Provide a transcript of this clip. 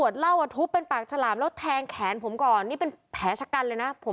ดูแขนผมเนี่ย